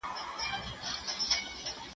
زه کولای سم بازار ته ولاړ سم!